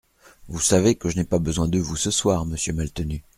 Vous savez que je n’ai pas besoin de vous, ce soir, Monsieur Maltenu…